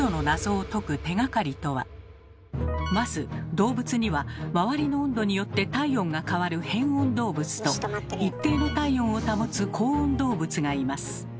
まず動物には周りの温度によって体温が変わる変温動物と一定の体温を保つ恒温動物がいます。